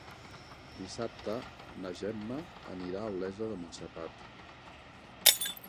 Dissabte na Gemma anirà a Olesa de Montserrat.